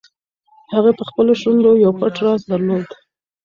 هغې په خپلو شونډو یو پټ راز درلود.